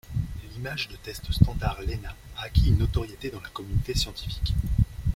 L'image de test standard Lenna a acquis une notoriété dans la communauté scientifique.